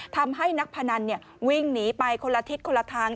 ทำให้นักพนันวิ่งหนีไปคนละทิศคนละทาง